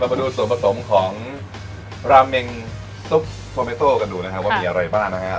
มาดูส่วนผสมของราเมงซุปโฟเมโต้กันดูนะครับว่ามีอะไรบ้างนะฮะ